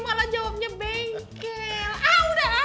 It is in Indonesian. malah jawabnya bengkel